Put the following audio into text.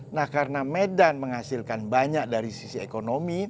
nah karena medan menghasilkan banyak dari sisi ekonomi